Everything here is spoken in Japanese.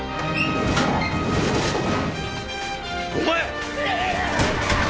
お前！